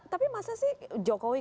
tapi masa sih jokowi